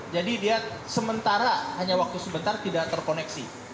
jadi dia sementara hanya waktu sebentar tidak terkoneksi